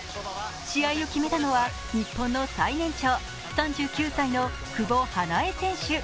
試合を決めたのは日本の最年長、３９歳の久保英恵選手。